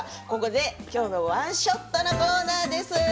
ここで「きょうのワンショット」のコーナーです。